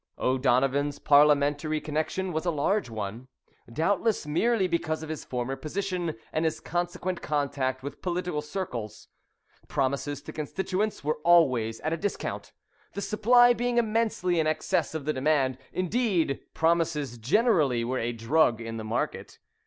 [Illustration: THE OMNISCIENT IDIOT.] O'Donovan's Parliamentary connection was a large one, doubtless merely because of his former position and his consequent contact with political circles. Promises to constituents were always at a discount, the supply being immensely in excess of the demand; indeed, promises generally were a drug in the market.